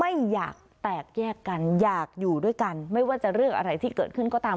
ไม่อยากแตกแยกกันอยากอยู่ด้วยกันไม่ว่าจะเรื่องอะไรที่เกิดขึ้นก็ตาม